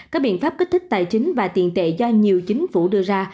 các biện pháp kích thích tài chính và tiền tệ do nhiều chính phủ đưa ra